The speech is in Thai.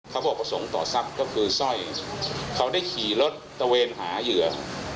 เขาบอกประสงค์ต่อทรัพย์ก็คือสร้อยเขาได้ขี่รถตะเวนหาเหยื่อ